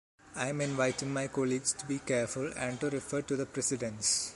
I’m inviting my colleagues to be careful and to refer to the precedents.